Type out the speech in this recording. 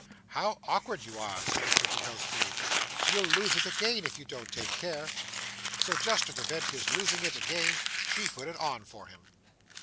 'How awkward you are,' said the pretty housemaid. 'You'll lose it again, if you don't take care.' So just to prevent his losing it again, she put it on for him.